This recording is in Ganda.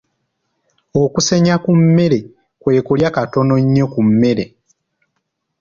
Okusenya ku mmere kwe kulya katono nnyo ku mmere.